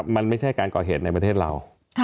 มันไม่ใช่การก่อเหตุในประเทศเรา